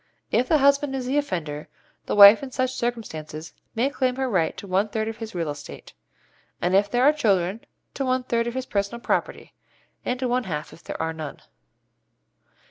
If the husband is the offender, the wife in such circumstances may claim her right to one third of his real estate; and if there are children, to one third of his personal property, and to one half if there are none.